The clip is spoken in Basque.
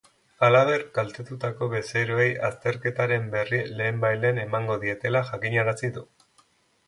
Halaber, kaltetutako bezeroei azterketaren berri lehenbailehen emango dietela jakinarazi du.